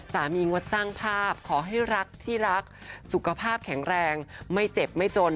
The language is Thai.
งดสร้างภาพขอให้รักที่รักสุขภาพแข็งแรงไม่เจ็บไม่จน